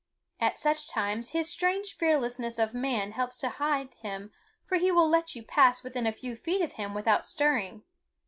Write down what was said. At such times his strange fearlessness of man helps to hide him, for he will let you pass within a few feet of him without stirring.